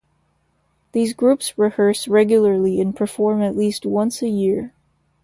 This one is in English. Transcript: These groups rehearse regularly and perform at least once a year.